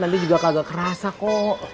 nanti juga kagak kerasa kok